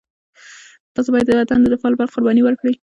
تاسو باید د وطن د دفاع لپاره قرباني ورکړئ.